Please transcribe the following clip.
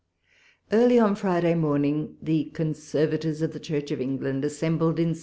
Early on Friday morning the conservators of the Church of England assembled in Sf.